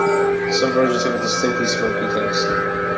Some versions have a distinctly smoky taste.